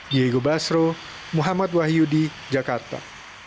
diego basro muhammad wahyu di jakarta